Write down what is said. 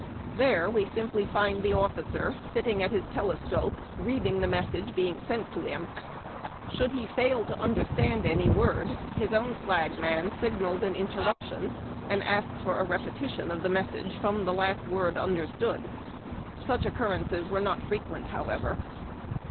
There we simply find the officer sitting at his tele scope reading the message being sent to him. Should he fail to understand any word, his own flagman signals an interruption, and asks a repetition of the message from the last word understood. Such occurrences were not frequent, however.